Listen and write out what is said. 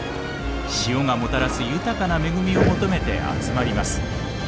潮がもたらす豊かな恵みを求めて集まります。